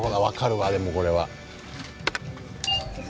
分かるわでもこれは。